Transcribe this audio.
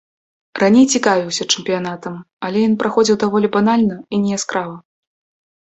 Раней цікавіўся чэмпіянатам, але ён праходзіў даволі банальна і неяскрава.